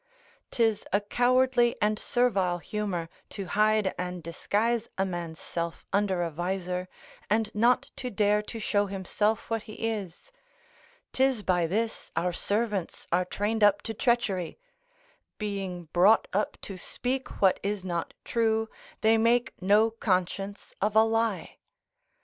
'Tis a cowardly and servile humour to hide and disguise a man's self under a visor, and not to dare to show himself what he is; 'tis by this our servants are trained up to treachery; being brought up to speak what is not true, they make no conscience of a lie.